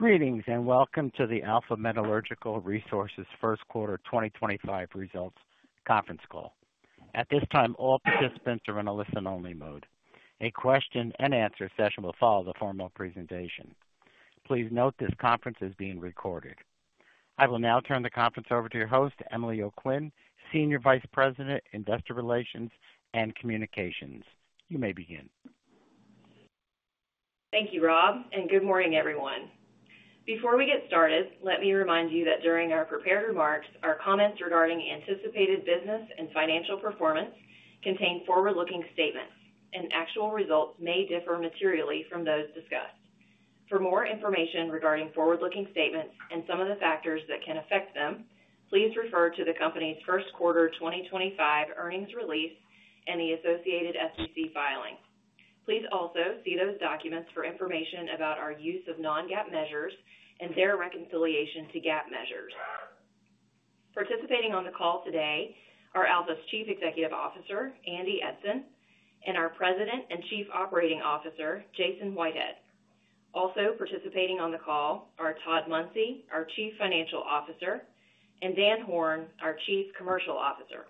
Greetings and welcome to the Alpha Metallurgical Resources First Quarter 2025 Results Conference Call. At this time, all participants are in a listen-only mode. A question-and-answer session will follow the formal presentation. Please note this conference is being recorded. I will now turn the conference over to your host, Emily O'Quinn, Senior Vice President, Investor Relations and Communications. You may begin. Thank you, Rob, and good morning, everyone. Before we get started, let me remind you that during our prepared remarks, our comments regarding anticipated business and financial performance contain forward-looking statements, and actual results may differ materially from those discussed. For more information regarding forward-looking statements and some of the factors that can affect them, please refer to the company's First Quarter 2025 earnings release and the associated SEC filing. Please also see those documents for information about our use of non-GAAP measures and their reconciliation to GAAP measures. Participating on the call today are Alpha's Chief Executive Officer, Andy Eidson, and our President and Chief Operating Officer, Jason Whitehead. Also participating on the call are Todd Munsey, our Chief Financial Officer, and Dan Horn, our Chief Commercial Officer.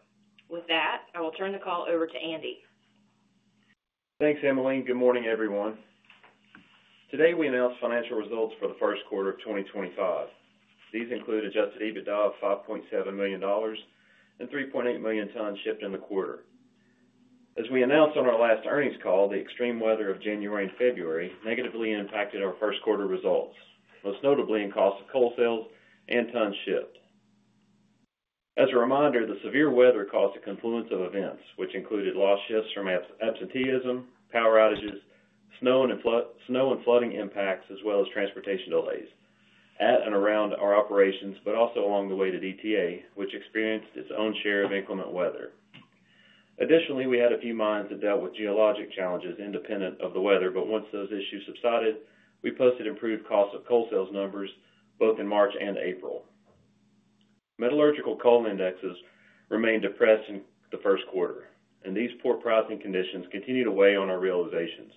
With that, I will turn the call over to Andy. Thanks, Emily. Good morning, everyone. Today, we announced financial results for the first quarter of 2025. These include adjusted EBITDA of $5.7 million and 3.8 million tons shipped in the quarter. As we announced on our last earnings call, the extreme weather of January and February negatively impacted our first quarter results, most notably in cost of coal sales and tons shipped. As a reminder, the severe weather caused a confluence of events, which included lost shifts from absenteeism, power outages, snow and flooding impacts, as well as transportation delays at and around our operations, but also along the way to DTA, which experienced its own share of inclement weather. Additionally, we had a few mines that dealt with geologic challenges independent of the weather, but once those issues subsided, we posted improved cost of coal sales numbers both in March and April. Metallurgical coal indexes remained depressed in the first quarter, and these poor pricing conditions continue to weigh on our realizations.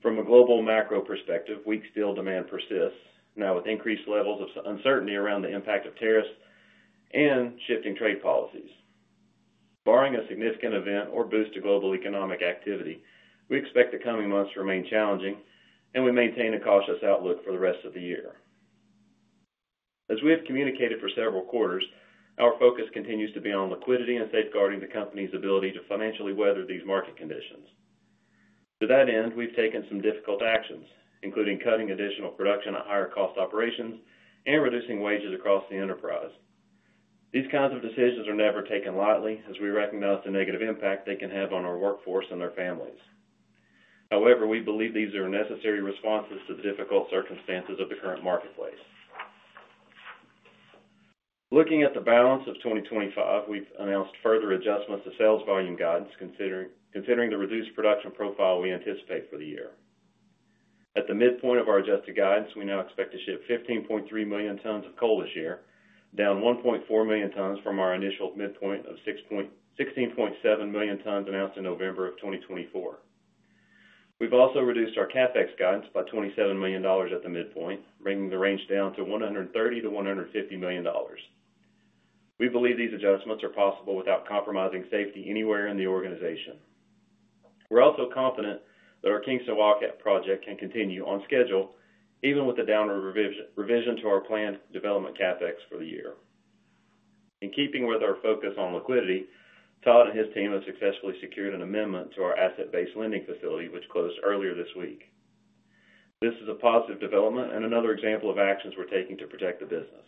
From a global macro perspective, weak steel demand persists, now with increased levels of uncertainty around the impact of tariffs and shifting trade policies. Barring a significant event or boost to global economic activity, we expect the coming months to remain challenging, and we maintain a cautious outlook for the rest of the year. As we have communicated for several quarters, our focus continues to be on liquidity and safeguarding the company's ability to financially weather these market conditions. To that end, we've taken some difficult actions, including cutting additional production at higher cost operations and reducing wages across the enterprise. These kinds of decisions are never taken lightly, as we recognize the negative impact they can have on our workforce and their families. However, we believe these are necessary responses to the difficult circumstances of the current marketplace. Looking at the balance of 2025, we've announced further adjustments to sales volume guidance, considering the reduced production profile we anticipate for the year. At the midpoint of our adjusted guidance, we now expect to ship 15.3 million tons of coal this year, down 1.4 million tons from our initial midpoint of 16.7 million tons announced in November of 2024. We've also reduced our CapEx guidance by $27 million at the midpoint, bringing the range down to $130 million-$150 million. We believe these adjustments are possible without compromising safety anywhere in the organization. We're also confident that our Kingston Wildcat project can continue on schedule, even with a downward revision to our planned development CapEx for the year. In keeping with our focus on liquidity, Todd and his team have successfully secured an amendment to our asset-based lending facility, which closed earlier this week. This is a positive development and another example of actions we're taking to protect the business.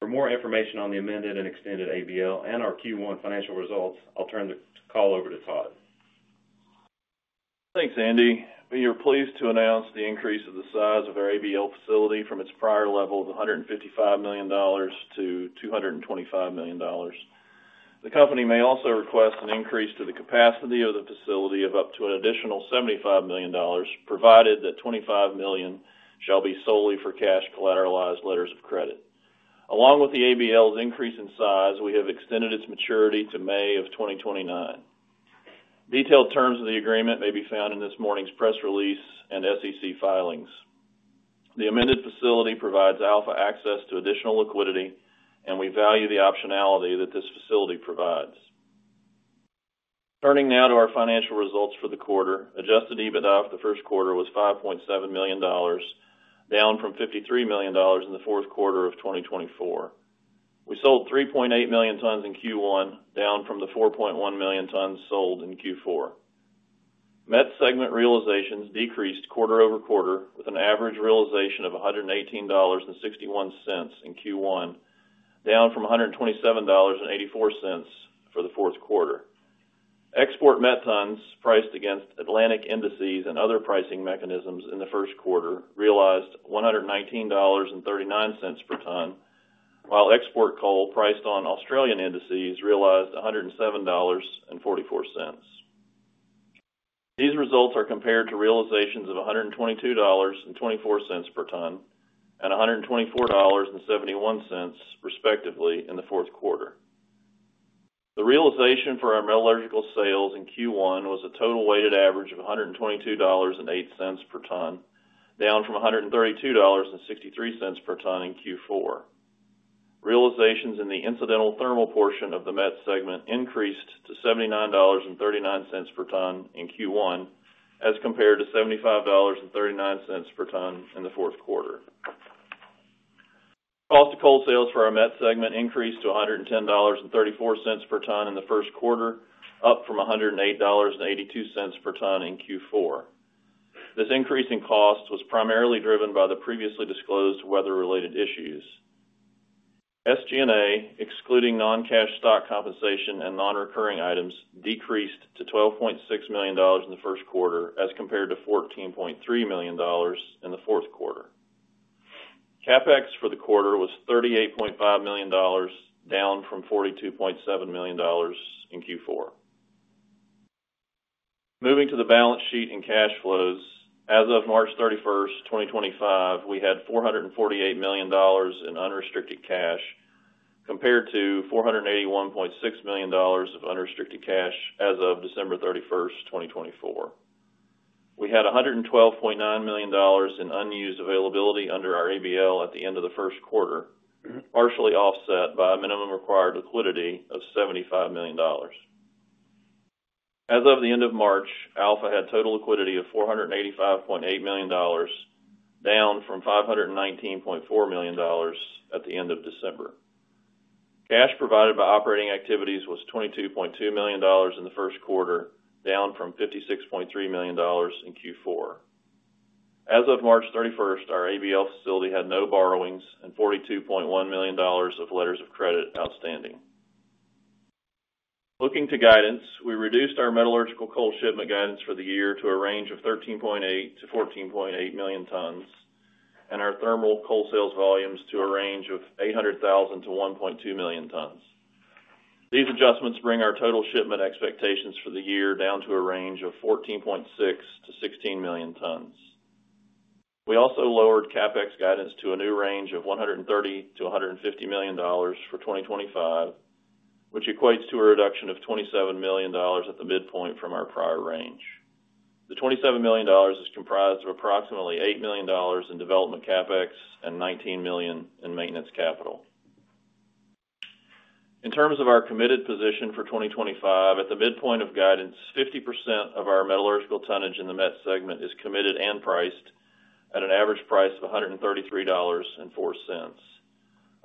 For more information on the amended and extended ABL and our Q1 financial results, I'll turn the call over to Todd. Thanks, Andy. We are pleased to announce the increase of the size of our ABL facility from its prior level of $155 million to $225 million. The company may also request an increase to the capacity of the facility of up to an additional $75 million, provided that $25 million shall be solely for cash collateralized letters of credit. Along with the ABL's increase in size, we have extended its maturity to May of 2029. Detailed terms of the agreement may be found in this morning's press release and SEC filings. The amended facility provides Alpha access to additional liquidity, and we value the optionality that this facility provides. Turning now to our financial results for the quarter, adjusted EBITDA for the first quarter was $5.7 million, down from $53 million in the fourth quarter of 2024. We sold 3.8 million tons in Q1, down from the 4.1 million tons sold in Q4. Met segment realizations decreased quarter-over-quarter, with an average realization of $118.61 in Q1, down from $127.84 for the fourth quarter. Export Met tons priced against Atlantic indices and other pricing mechanisms in the first quarter realized $119.39 per ton, while export coal priced on Australian indices realized $107.44. These results are compared to realizations of $122.24 per ton and $124.71, respectively, in the fourth quarter. The realization for our metallurgical sales in Q1 was a total weighted average of $122.08 per ton, down from $132.63 per ton in Q4. Realizations in the incidental thermal portion of the Met segment increased to $79.39 per ton in Q1, as compared to $75.39 per ton in the fourth quarter. Cost of coal sales for our Met segment increased to $110.34 per ton in the first quarter, up from $108.82 per ton in Q4. This increase in cost was primarily driven by the previously disclosed weather-related issues. SG&A, excluding non-cash stock compensation and non-recurring items, decreased to $12.6 million in the first quarter, as compared to $14.3 million in the fourth quarter. CapEx for the quarter was $38.5 million, down from $42.7 million in Q4. Moving to the balance sheet and cash flows, as of March 31, 2025, we had $448 million in unrestricted cash, compared to $481.6 million of unrestricted cash as of December 31st, 2024. We had $112.9 million in unused availability under our ABL at the end of the first quarter, partially offset by a minimum required liquidity of $75 million. As of the end of March, Alpha had total liquidity of $485.8 million, down from $519.4 million at the end of December. Cash provided by operating activities was $22.2 million in the first quarter, down from $56.3 million in Q4. As of March 31st, our ABL facility had no borrowings and $42.1 million of letters of credit outstanding. Looking to guidance, we reduced our metallurgical coal shipment guidance for the year to a range of 13.8 million tons-14.8 million tons, and our thermal coal sales volumes to a range of 800,000-1.2 million tons. These adjustments bring our total shipment expectations for the year down to a range of 14.6 million tons-16 million tons. We also lowered CapEx guidance to a new range of $130 million-150 million for 2025, which equates to a reduction of $27 million at the midpoint from our prior range. The $27 million is comprised of approximately $8 million in development CapEx and $19 million in maintenance capital. In terms of our committed position for 2025, at the midpoint of guidance, 50% of our metallurgical tonnage in the Met segment is committed and priced at an average price of $133.04.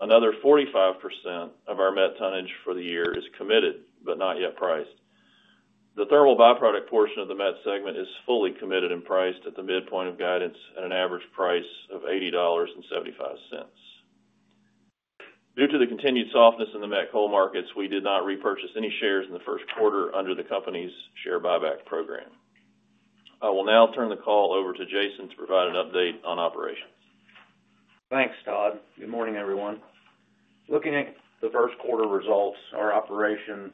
Another 45% of our Met tonnage for the year is committed but not yet priced. The thermal byproduct portion of the Met segment is fully committed and priced at the midpoint of guidance at an average price of $80.75. Due to the continued softness in the Met coal markets, we did not repurchase any shares in the first quarter under the company's share buyback program. I will now turn the call over to Jason to provide an update on operations. Thanks, Todd. Good morning, everyone. Looking at the first quarter results, our operation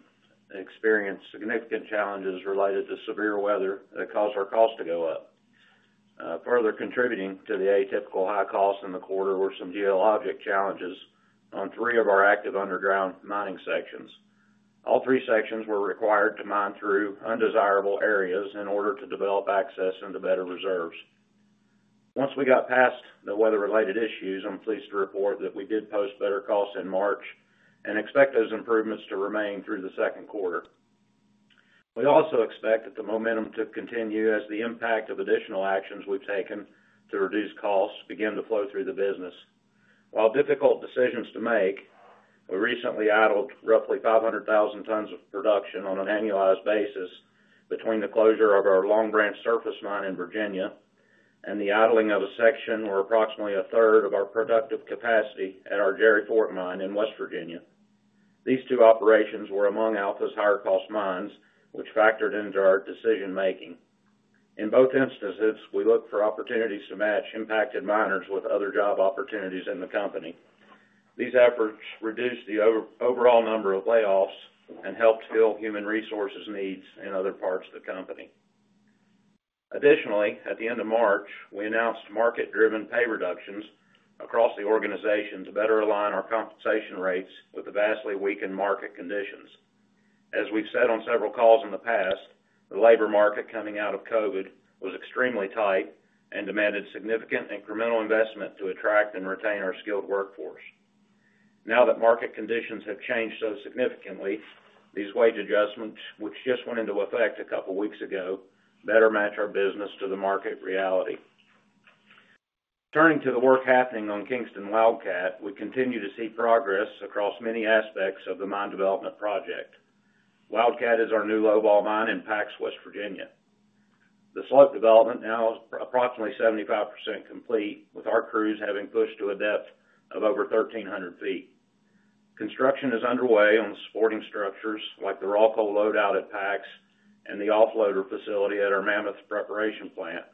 experienced significant challenges related to severe weather that caused our cost to go up. Further contributing to the atypical high cost in the quarter were some geologic challenges on three of our active underground mining sections. All three sections were required to mine through undesirable areas in order to develop access into better reserves. Once we got past the weather-related issues, I'm pleased to report that we did post better costs in March and expect those improvements to remain through the second quarter. We also expect that the momentum to continue as the impact of additional actions we've taken to reduce costs began to flow through the business. While difficult decisions to make, we recently idled roughly 500,000 tons of production on an annualized basis between the closure of our Long Branch Surface Mine in Virginia and the idling of a section where approximately a third of our productive capacity at our Jerry Fork Mine in West Virginia. These two operations were among Alpha's higher-cost mines, which factored into our decision-making. In both instances, we looked for opportunities to match impacted miners with other job opportunities in the company. These efforts reduced the overall number of layoffs and helped fill human resources needs in other parts of the company. Additionally, at the end of March, we announced market-driven pay reductions across the organization to better align our compensation rates with the vastly weakened market conditions. As we've said on several calls in the past, the labor market coming out of COVID was extremely tight and demanded significant incremental investment to attract and retain our skilled workforce. Now that market conditions have changed so significantly, these wage adjustments, which just went into effect a couple of weeks ago, better match our business to the market reality. Turning to the work happening on Kingston Wildcat, we continue to see progress across many aspects of the mine development project. Wildcat is our new lowball mine in Pax, West Virginia. The slope development now is approximately 75% complete, with our crews having pushed to a depth of over 1,300 feet. Construction is underway on supporting structures like the raw coal loadout at Pax and the offloader facility at our Mammoth preparation plant.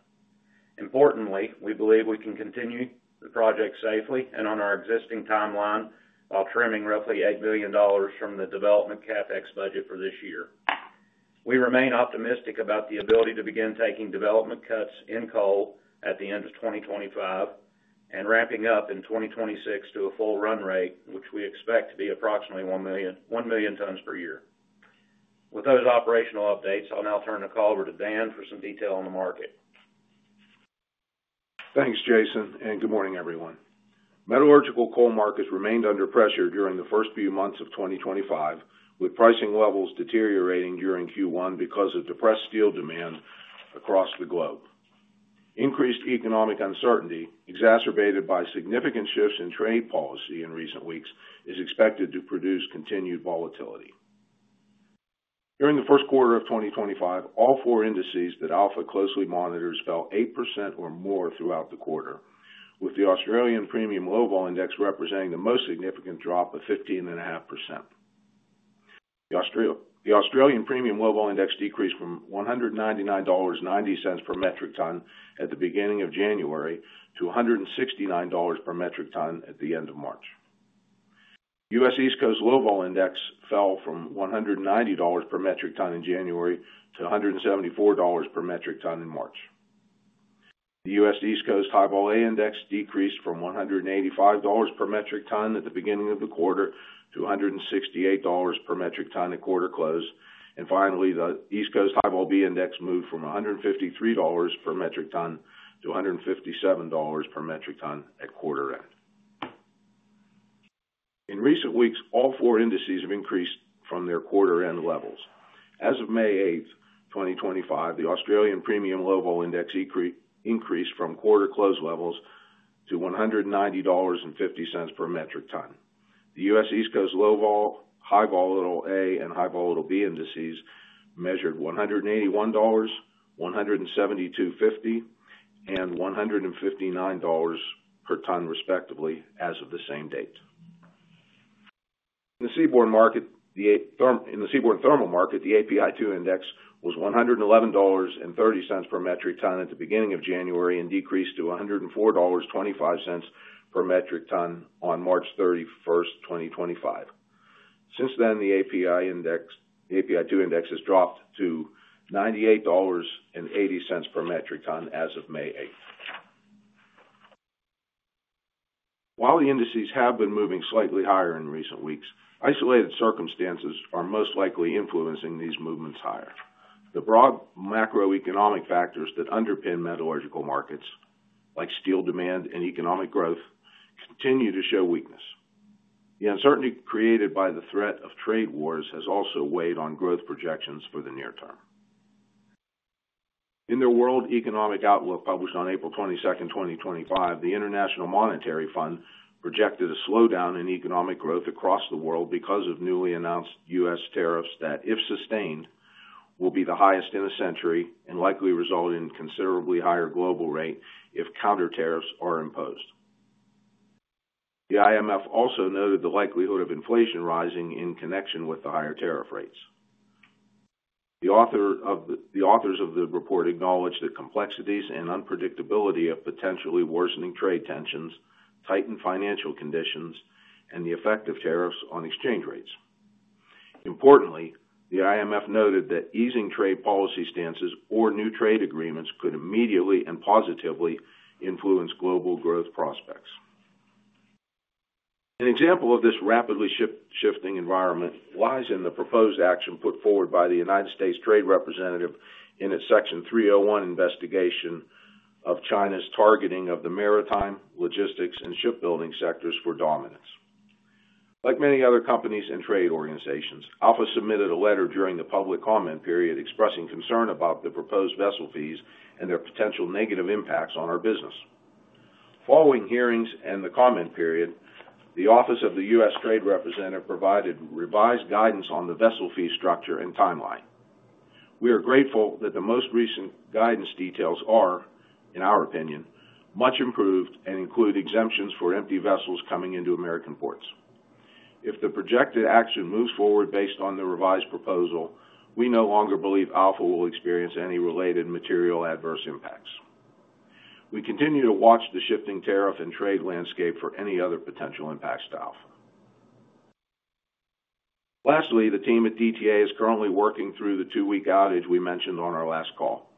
Importantly, we believe we can continue the project safely and on our existing timeline while trimming roughly $8 million from the development CapEx budget for this year. We remain optimistic about the ability to begin taking development cuts in coal at the end of 2025 and ramping up in 2026 to a full run rate, which we expect to be approximately 1 million tons per year. With those operational updates, I'll now turn the call over to Dan for some detail on the market. Thanks, Jason, and good morning, everyone. Metallurgical coal markets remained under pressure during the first few months of 2025, with pricing levels deteriorating during Q1 because of depressed steel demand across the globe. Increased economic uncertainty, exacerbated by significant shifts in trade policy in recent weeks, is expected to produce continued volatility. During the first quarter of 2025, all four indices that Alpha closely monitors fell 8% or more throughout the quarter, with the Australian Premium Low Vol Index representing the most significant drop of 15.5%. The Australian Premium Low Vol Index decreased from $199.90 per metric ton at the beginning of January to $169 per metric ton at the end of March. The U.S. East Coast Low Vol Index fell from $190 per metric ton in January to $174 per metric ton in March. The U.S. East Coast High Vol A Index decreased from $185 per metric ton at the beginning of the quarter to $168 per metric ton at quarter close. Finally, the East Coast High Vol B Index moved from $153 per metric ton to $157 per metric ton at quarter end. In recent weeks, all four indices have increased from their quarter-end levels. As of May 8th, 2025, the Australian Premium Low Vol Index increased from quarter close levels to $190.50 per metric ton. The U.S. East Coast Low Vol, High Vol A, and High Vol B indices measured $181, $172.50, and $159 per ton, respectively, as of the same date. In the seaborne market, the seaborne thermal market, the API-2 Index was $111.30 per metric ton at the beginning of January and decreased to $104.25 per metric ton on March 31st, 2025. Since then, the API-2 Index has dropped to $98.80 per metric ton as of May 8th. While the indices have been moving slightly higher in recent weeks, isolated circumstances are most likely influencing these movements higher. The broad macroeconomic factors that underpin metallurgical markets, like steel demand and economic growth, continue to show weakness. The uncertainty created by the threat of trade wars has also weighed on growth projections for the near term. In their World Economic Outlook published on April 22nd, 2025, the International Monetary Fund projected a slowdown in economic growth across the world because of newly announced U.S. tariffs that, if sustained, will be the highest in a century and likely result in a considerably higher global rate if counter tariffs are imposed. The IMF also noted the likelihood of inflation rising in connection with the higher tariff rates. The authors of the report acknowledged the complexities and unpredictability of potentially worsening trade tensions, tightened financial conditions, and the effect of tariffs on exchange rates. Importantly, the IMF noted that easing trade policy stances or new trade agreements could immediately and positively influence global growth prospects. An example of this rapidly shifting environment lies in the proposed action put forward by the United States Trade Representative in its Section 301 investigation of China's targeting of the maritime, logistics, and shipbuilding sectors for dominance. Like many other companies and trade organizations, Alpha submitted a letter during the public comment period expressing concern about the proposed vessel fees and their potential negative impacts on our business. Following hearings and the comment period, the Office of the U.S. Trade Representative provided revised guidance on the vessel fee structure and timeline. We are grateful that the most recent guidance details are, in our opinion, much improved and include exemptions for empty vessels coming into American ports. If the projected action moves forward based on the revised proposal, we no longer believe Alpha will experience any related material adverse impacts. We continue to watch the shifting tariff and trade landscape for any other potential impacts to Alpha. Lastly, the team at DTA is currently working through the two-week outage we mentioned on our last call.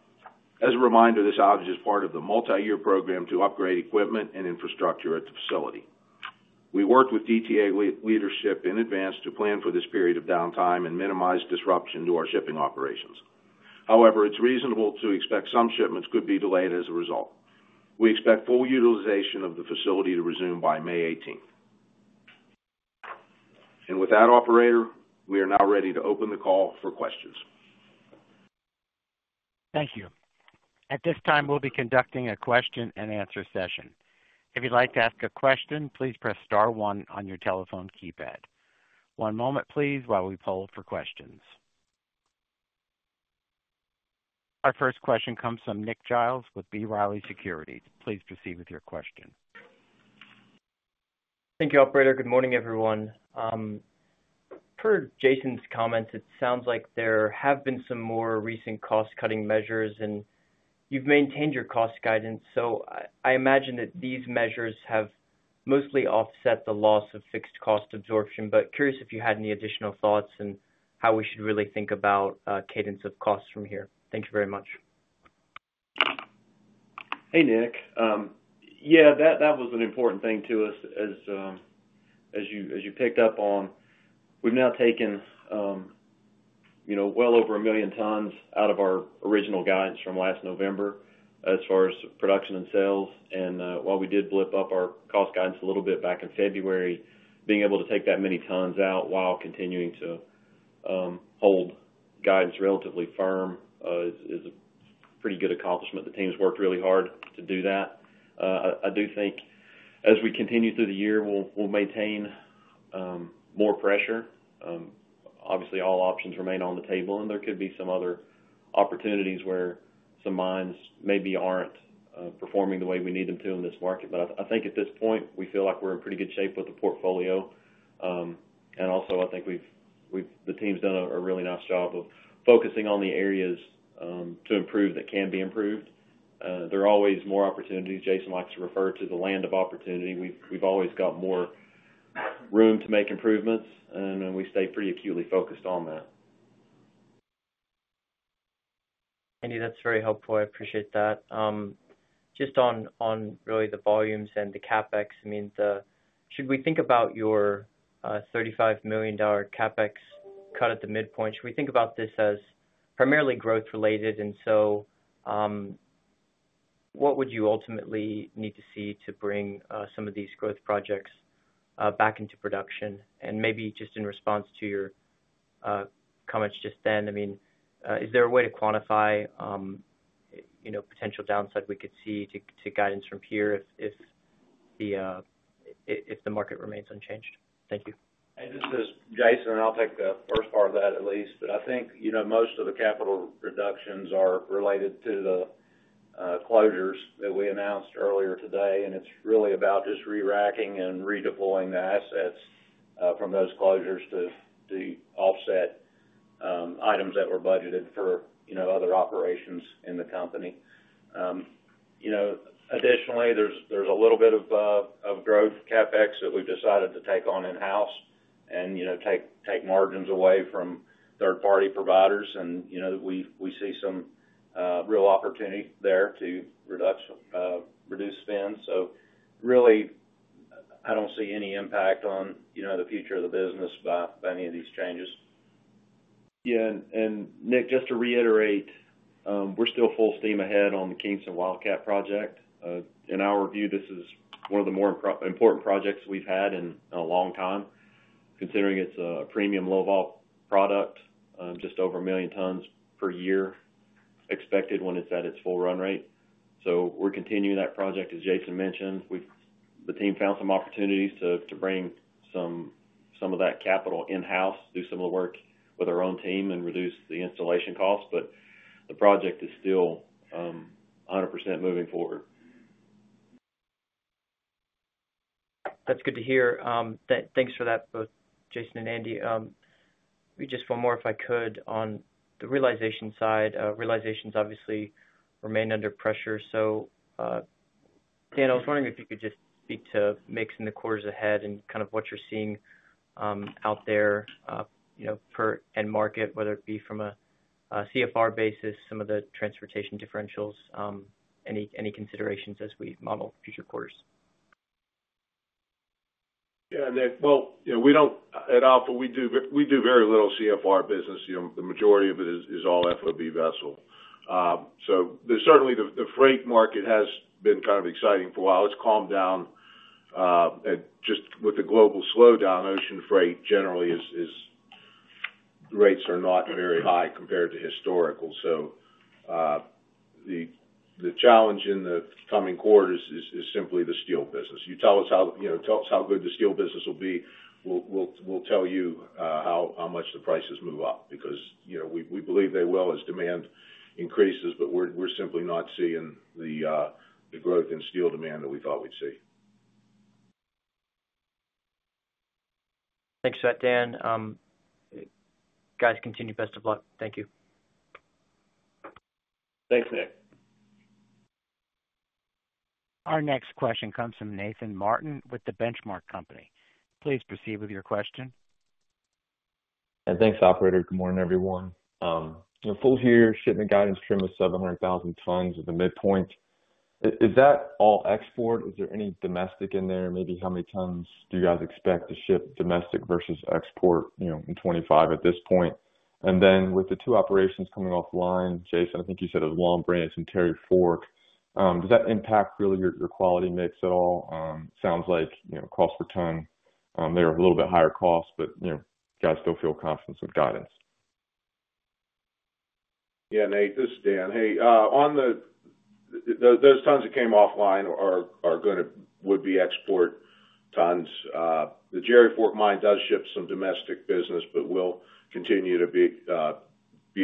As a reminder, this outage is part of the multi-year program to upgrade equipment and infrastructure at the facility. We worked with DTA leadership in advance to plan for this period of downtime and minimize disruption to our shipping operations. However, it's reasonable to expect some shipments could be delayed as a result. We expect full utilization of the facility to resume by May 18th. Operator, we are now ready to open the call for questions. Thank you. At this time, we'll be conducting a question-and-answer session. If you'd like to ask a question, please press star one on your telephone keypad. One moment, please, while we poll for questions. Our first question comes from Nick Giles with B. Riley Securities. Please proceed with your question. Thank you, Operator. Good morning, everyone. Per Jason's comments, it sounds like there have been some more recent cost-cutting measures, and you've maintained your cost guidance. I imagine that these measures have mostly offset the loss of fixed cost absorption, but curious if you had any additional thoughts and how we should really think about cadence of costs from here. Thank you very much. Hey, Nick. Yeah, that was an important thing to us, as you picked up on. We've now taken well over 1 million tons out of our original guidance from last November as far as production and sales. While we did blip up our cost guidance a little bit back in February, being able to take that many tons out while continuing to hold guidance relatively firm is a pretty good accomplishment. The team has worked really hard to do that. I do think as we continue through the year, we'll maintain more pressure. Obviously, all options remain on the table, and there could be some other opportunities where some mines maybe aren't performing the way we need them to in this market. I think at this point, we feel like we're in pretty good shape with the portfolio. I think the team's done a really nice job of focusing on the areas to improve that can be improved. There are always more opportunities. Jason likes to refer to the land of opportunity. We've always got more room to make improvements, and we stay pretty acutely focused on that. Andy, that's very helpful. I appreciate that. Just on really the volumes and the CapEx, I mean, should we think about your $35 million CapEx cut at the midpoint? Should we think about this as primarily growth-related? What would you ultimately need to see to bring some of these growth projects back into production? Maybe just in response to your comments just then, I mean, is there a way to quantify potential downside we could see to guidance from here if the market remains unchanged? Thank you. This is Jason, and I'll take the first part of that at least. I think most of the capital reductions are related to the closures that we announced earlier today, and it's really about just reracking and redeploying the assets from those closures to offset items that were budgeted for other operations in the company. Additionally, there's a little bit of growth CapEx that we've decided to take on in-house and take margins away from third-party providers. We see some real opportunity there to reduce spend. I don't see any impact on the future of the business by any of these changes. Yeah. Nick, just to reiterate, we're still full steam ahead on the Kingston Wildcat project. In our view, this is one of the more important projects we've had in a long time, considering it's a Premium Low Vol product, just over 1 million tons per year expected when it's at its full run rate. We're continuing that project, as Jason mentioned. The team found some opportunities to bring some of that capital in-house, do some of the work with our own team, and reduce the installation costs. The project is still 100% moving forward. That's good to hear. Thanks for that, both Jason and Andy. Just one more, if I could, on the realization side. Realizations obviously remain under pressure. Dan, I was wondering if you could just speak to mixing the quarters ahead and kind of what you're seeing out there per end market, whether it be from a CFR basis, some of the transportation differentials, any considerations as we model future quarters. Yeah. At Alpha, we do very little CFR business. The majority of it is all FOB vessel. Certainly, the freight market has been kind of exciting for a while. It has calmed down. Just with the global slowdown, ocean freight generally rates are not very high compared to historical. The challenge in the coming quarters is simply the steel business. You tell us how good the steel business will be, we will tell you how much the prices move up because we believe they will as demand increases, but we are simply not seeing the growth in steel demand that we thought we would see. Thanks for that, Dan. Guys, continue best of luck. Thank you. Thanks, Nick. Our next question comes from Nathan Martin with The Benchmark Company. Please proceed with your question. Thanks, Operator. Good morning, everyone. Full-year shipment guidance trim of 700,000 tons at the midpoint. Is that all export? Is there any domestic in there? Maybe how many tons do you guys expect to ship domestic versus export in 2025 at this point? With the two operations coming offline, Jason, I think you said it was Long Branch and Jerry Fork. Does that impact really your quality mix at all? Sounds like cost per ton, they're a little bit higher cost, but guys still feel confident with guidance. Yeah. Nate, this is Dan. Hey, those tons that came offline would be export tons. The Jerry Fork Mine does ship some domestic business, but we'll continue to be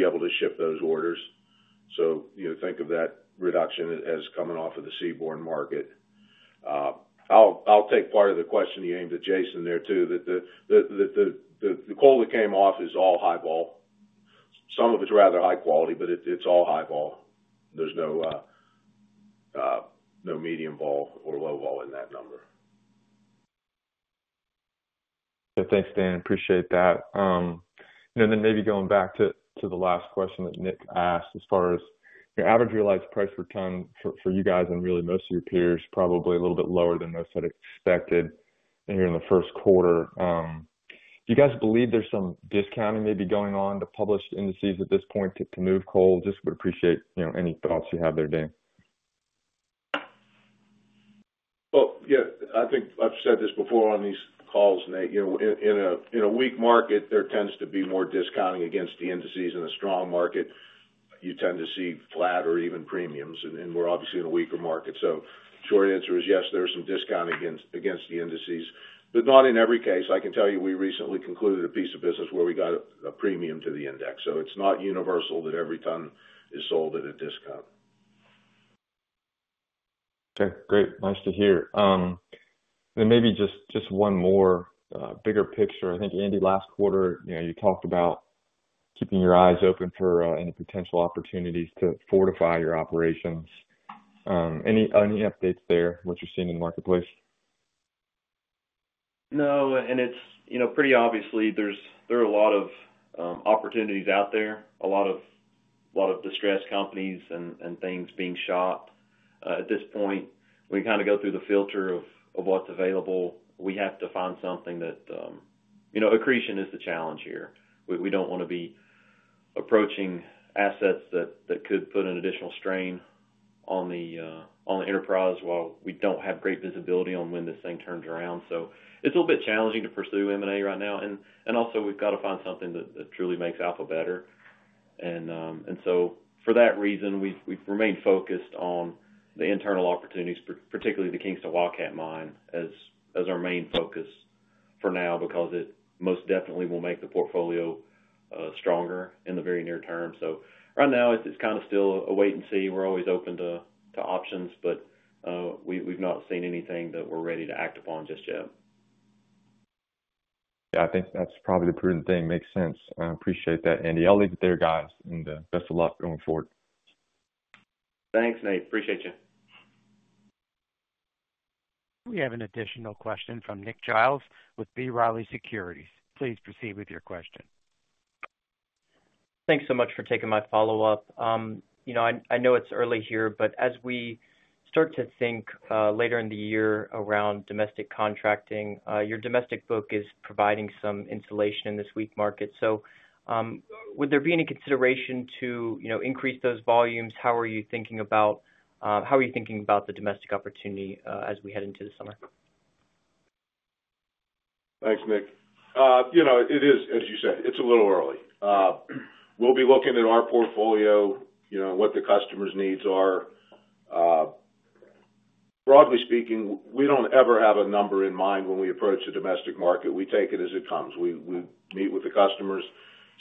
able to ship those orders. So think of that reduction as coming off of the seaborne market. I'll take part of the question you aimed at Jason there too. The coal that came off is all high vol. Some of it's rather high quality, but it's all high vol. There's no medium vol or low vol in that number. Thanks, Dan. Appreciate that. Maybe going back to the last question that Nick asked as far as your average realized price per ton for you guys and really most of your peers, probably a little bit lower than most had expected here in the first quarter. Do you guys believe there is some discounting maybe going on to published indices at this point to move coal? Just would appreciate any thoughts you have there, Dan. I think I've said this before on these calls, Nate. In a weak market, there tends to be more discounting against the indices. In a strong market, you tend to see flat or even premiums. We're obviously in a weaker market. Short answer is yes, there's some discounting against the indices. Not in every case. I can tell you we recently concluded a piece of business where we got a premium to the index. It's not universal that every ton is sold at a discount. Okay. Great. Nice to hear. Maybe just one more bigger picture. I think, Andy, last quarter, you talked about keeping your eyes open for any potential opportunities to fortify your operations. Any updates there? What you're seeing in the marketplace? No. And pretty obviously, there are a lot of opportunities out there, a lot of distressed companies and things being shopped. At this point, when you kind of go through the filter of what's available, we have to find something that accretion is the challenge here. We don't want to be approaching assets that could put an additional strain on the enterprise while we don't have great visibility on when this thing turns around. It is a little bit challenging to pursue M&A right now. Also, we've got to find something that truly makes Alpha better. For that reason, we've remained focused on the internal opportunities, particularly the Kingston Wildcat mine as our main focus for now because it most definitely will make the portfolio stronger in the very near term. Right now, it's kind of still a wait and see. We're always open to options, but we've not seen anything that we're ready to act upon just yet. Yeah. I think that's probably the prudent thing. Makes sense. I appreciate that, Andy. I'll leave it there, guys, and best of luck going forward. Thanks, Nate. Appreciate you. We have an additional question from Nick Giles with B. Riley Securities. Please proceed with your question. Thanks so much for taking my follow-up. I know it's early here, but as we start to think later in the year around domestic contracting, your domestic book is providing some insulation in this weak market. Would there be any consideration to increase those volumes? How are you thinking about the domestic opportunity as we head into the summer? Thanks, Nick. It is, as you said, it's a little early. We'll be looking at our portfolio, what the customer's needs are. Broadly speaking, we don't ever have a number in mind when we approach the domestic market. We take it as it comes. We meet with the customers,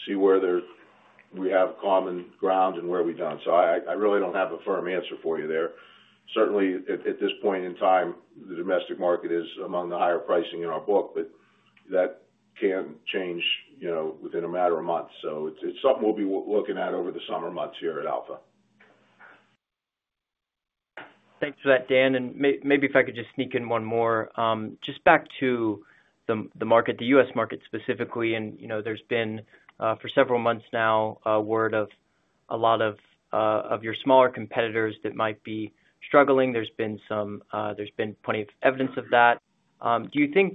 see where we have common ground and where we don't. I really don't have a firm answer for you there. Certainly, at this point in time, the domestic market is among the higher pricing in our book, but that can change within a matter of months. It's something we'll be looking at over the summer months here at Alpha. Thanks for that, Dan. Maybe if I could just sneak in one more. Just back to the market, the U.S. market specifically, and there's been for several months now a word of a lot of your smaller competitors that might be struggling. There's been plenty of evidence of that. Do you think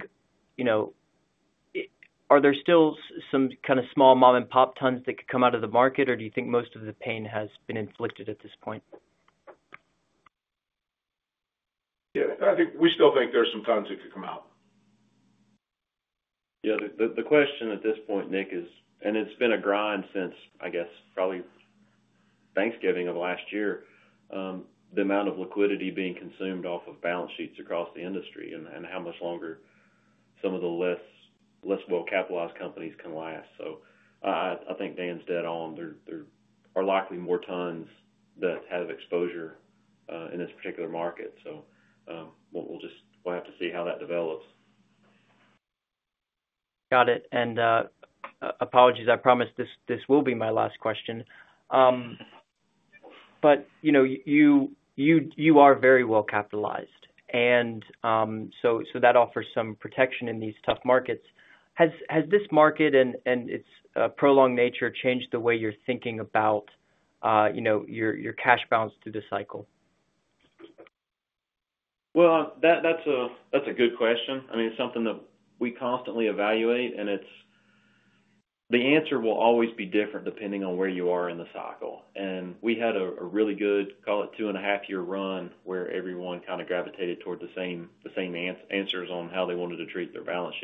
are there still some kind of small mom-and-pop tons that could come out of the market, or do you think most of the pain has been inflicted at this point? Yeah. I think we still think there's some tons that could come out. Yeah. The question at this point, Nick, is, and it's been a grind since, I guess, probably Thanksgiving of last year, the amount of liquidity being consumed off of balance sheets across the industry and how much longer some of the less well-capitalized companies can last. I think Dan's dead on. There are likely more tons that have exposure in this particular market. We'll have to see how that develops. Got it. Apologies. I promise this will be my last question. You are very well-capitalized, and that offers some protection in these tough markets. Has this market and its prolonged nature changed the way you're thinking about your cash balance through the cycle? That is a good question. I mean, it is something that we constantly evaluate, and the answer will always be different depending on where you are in the cycle. We had a really good, call it two-and-a-half-year run where everyone kind of gravitated toward the same answers on how they wanted to treat their balance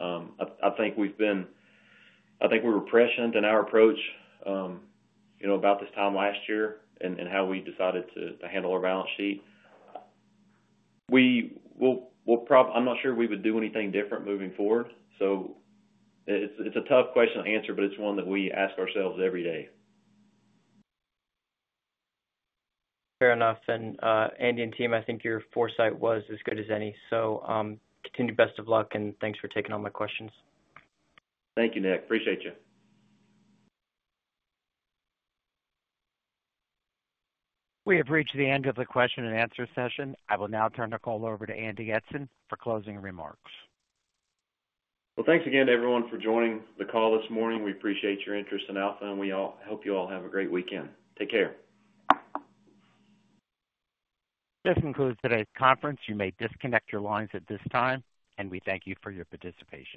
sheets. I think we were prescient in our approach about this time last year and how we decided to handle our balance sheet. I am not sure we would do anything different moving forward. It is a tough question to answer, but it is one that we ask ourselves every day. Fair enough. Andy and team, I think your foresight was as good as any. Continue best of luck, and thanks for taking all my questions. Thank you, Nick. Appreciate you. We have reached the end of the question-and-answer session. I will now turn the call over to Andy Eidson for closing remarks. Thanks again, everyone, for joining the call this morning. We appreciate your interest in Alpha, and we hope you all have a great weekend. Take care. This concludes today's conference. You may disconnect your lines at this time, and we thank you for your participation.